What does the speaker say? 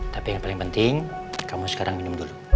tapi yang paling penting kamu sekarang minum dulu